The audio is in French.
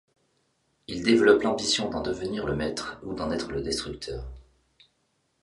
Il développe l'ambition d'en devenir le maître, ou d'en être le destructeur.